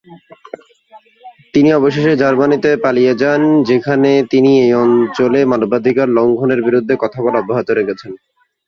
তিনি অবশেষে জার্মানিতে পালিয়ে যান, যেখানে তিনি এই অঞ্চলে মানবাধিকার লঙ্ঘনের বিরুদ্ধে কথা বলা অব্যাহত রেখেছেন।